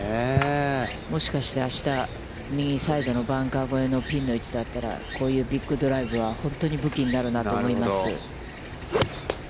もしかして、あした、右サイドのバンカー越えのピンの位置だったら、こういうビッグドライブは、本当に武器になるなと思います。